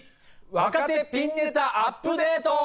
若手ピンネタアップデート！